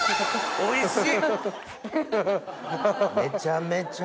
おいしい！